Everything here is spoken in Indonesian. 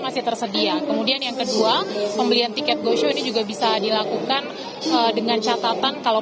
masih tersedia kemudian yang kedua pembelian tiket go show ini juga bisa dilakukan dengan catatan kalau